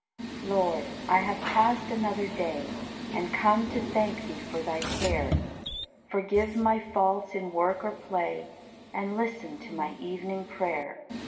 Lord, I have passed another day And come to thank Thee for Thy care. Forgive my faults in work or play And listen to my evening prayer.